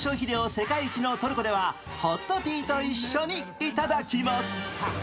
世界一のトルコではホットティーと一緒にいただきます。